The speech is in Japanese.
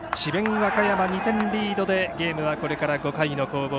和歌山２点リードでゲームは、このあと５回の攻防。